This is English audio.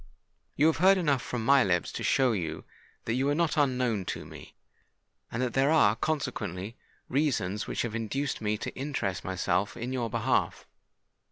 You have heard enough from my lips to show you that you are not unknown to me, and that there are consequently reasons which have induced me to interest myself in your behalf.